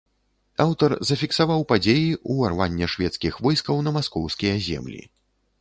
Аўтар зафіксаваў падзеі ўварвання шведскіх войскаў на маскоўскія землі.